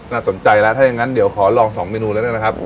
น่าสนใจแล้วถ้าอย่างงั้นขอลองสองเมนูแล้วกันนะครับ